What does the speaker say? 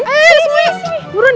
eh disini disini